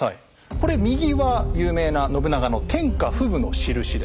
これ右は有名な信長の「天下布武」の印です。